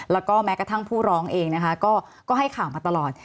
แล้วก็แม้กระทั่งผู้ร้องเองนะคะก็ให้ข่าวมาตลอด